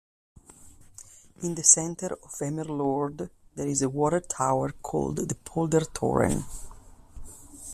In the center of Emmeloord there is a watertower called the Poldertoren.